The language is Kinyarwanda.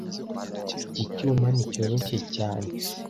Iki cyuma nticyoroshye cyane